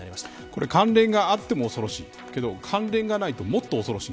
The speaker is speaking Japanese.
これ、関連があっても恐ろしいけど関連がないと、もっと恐ろしい。